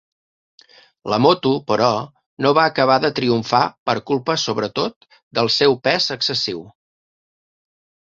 La moto, però, no va acabar de triomfar per culpa, sobretot, del seu pes excessiu.